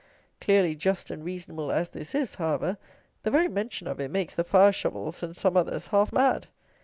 Clearly just and reasonable as this is, however, the very mention of it makes the FIRE SHOVELS, and some others, half mad.